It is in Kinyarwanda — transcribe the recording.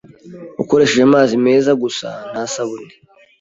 ukoresheje amazi meza gusa, nta sabuni.